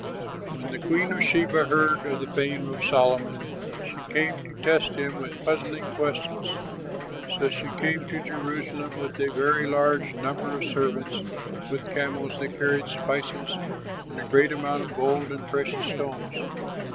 When the queen of Sheba heard of the fame of Solomon, she came to test him with puzzling questions. So she came to Jerusalem with a very large number of servants, with camels that carried spices and a great amount of gold and precious stones.